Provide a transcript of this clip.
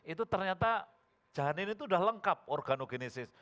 itu ternyata janin itu sudah lengkap organogenis